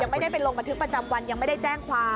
ไม่ได้ไปลงบันทึกประจำวันยังไม่ได้แจ้งความ